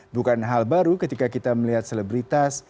bukan hal baru ketika kita melihat selebritas